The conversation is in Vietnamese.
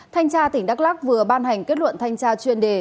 thanh tra tỉnh đắk lắc vừa ban hành kết luận thanh tra chuyên đề